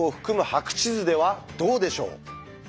白地図ではどうでしょう？